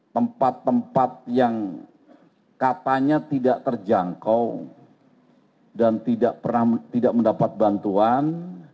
tempat tempat yang katanya tidak terjangkau dan tidak pernah tidak mendapat bantuan